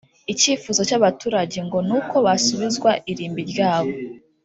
Ikifuzo cy’aba baturage ngo ni uko basubizwa irimbi ryabo